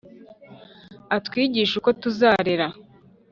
atwigishe uko tuzarera